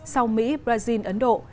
sau mỹ brazil ấn độ